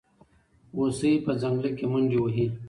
هوسۍ په ځنګل کې منډې وهي.